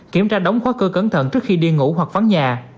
kiểm tra đóng khóa cửa cẩn thận trước khi đi ngủ hoặc phán nhà